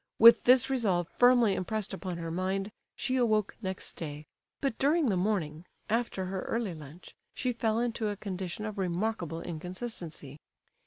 With this resolve firmly impressed upon her mind, she awoke next day; but during the morning, after her early lunch, she fell into a condition of remarkable inconsistency.